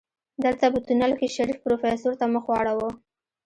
دلته په تونل کې شريف پروفيسر ته مخ واړوه.